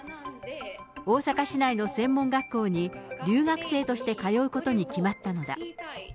大阪市内の専門学校に、留学生として通うことに決まったのだ。